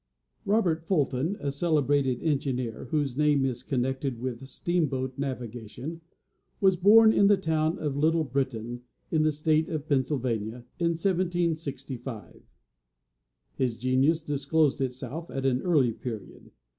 Robert Fulton, a celebrated engineer, whose name is connected with steamboat navigation, was born in the town of Little Britain, in the state of Pennsylvania, in 1765. His genius disclosed itself at an early period.